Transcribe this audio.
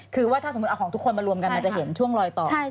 คือว่าถ้าสมมุติเอาของทุกคนมารวมกันมันจะเห็นช่วงลอยต่อ